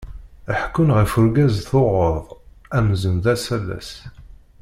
Ḥekkun ɣef urgaz tuɣeḍ, amzun d asalas.